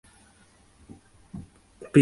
পিসি ভাবে, হায়রে কপাল!